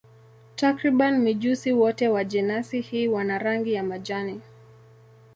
Takriban mijusi wote wa jenasi hii wana rangi ya majani.